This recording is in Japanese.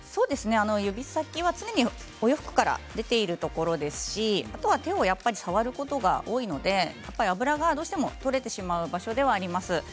指先は常にお洋服から出ているところですし、手を触ることも多いので脂がどうしても取れてしまう場所ですね。